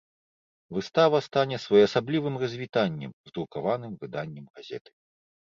Выстава стане своеасаблівым развітаннем з друкаваным выданнем газеты.